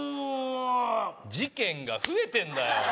事件が増えてんだよ